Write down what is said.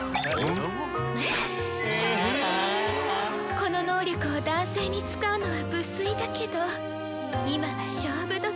この能力を男性に使うのは不粋だけど今は勝負どき。